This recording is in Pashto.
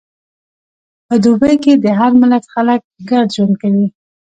په دوبی کې د هر ملت خلک ګډ ژوند کوي.